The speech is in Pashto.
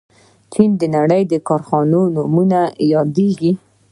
چین د نړۍ د کارخانې په نوم یادیږي.